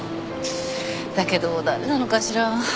だけど誰なのかしら？